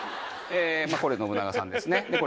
これ信長さんですね